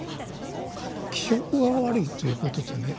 気色が悪いということとね